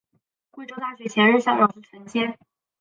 贵州大学前任校长是陈坚。